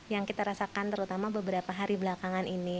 yang kita rasakan terutama beberapa hari belakangan ini